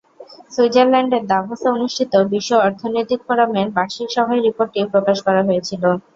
সুইজারল্যান্ডের দাভোসে অনুষ্ঠিত বিশ্ব অর্থনৈতিক ফোরামের বার্ষিক সভায় রিপোর্টটি প্রকাশ করা হয়েছিল।